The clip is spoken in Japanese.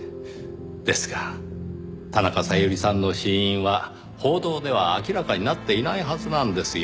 ですが田中小百合さんの死因は報道では明らかになっていないはずなんですよ。